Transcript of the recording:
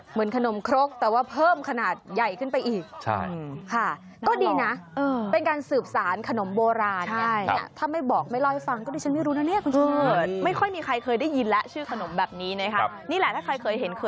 เหมือนขนมครกแต่ว่าเพิ่มขนาดใหญ่ขึ้นไปอีก